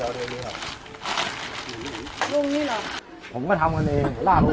ครับเดี๋ยวเดี๋ยวนี้ครับลูกนี้เหรอผมก็ทำกันเองลาก